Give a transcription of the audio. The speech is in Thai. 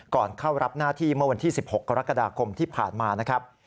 เข้ารับหน้าที่เมื่อวันที่๑๖กรกฎาคมที่ผ่านมานะครับ